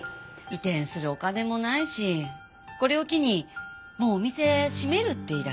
移転するお金もないしこれを機にもうお店閉めるって言い出して。